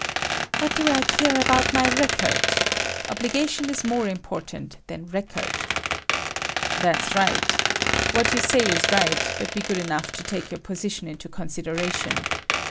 "What do I care about my record. Obligation is more important than record." "That's right. What you say is right, but be good enough to take our position into consideration.